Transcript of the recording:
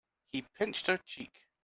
He pinched her cheek.